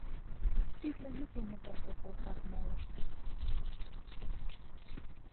Тӱрлӧ йӱк дене воштыл колтат молышт.